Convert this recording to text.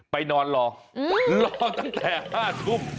ไปนอนรอรอตั้งแต่๕ทุ่ม